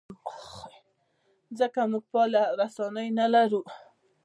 ځکه موږ فعالې رسنۍ نه لرو.